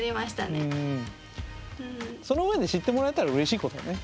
その上で知ってもらえたらうれしいことだね。